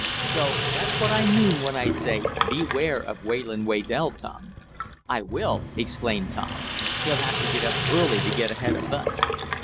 So that's what I mean when I say beware of Wayland Waydell, Tom." "I will!" exclaimed Tom. "He'll have to get up early to get ahead of us."